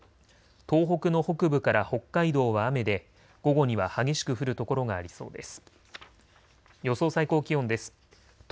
東北の北部から北海道は雨で午後には激しく降る所がありそうです。